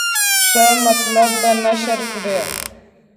ښه مطالب به نشر کړي.